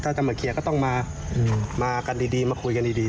ถ้าจะมาเคลียร์ก็ต้องมามากันดีมาคุยกันดี